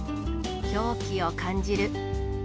狂気を感じる。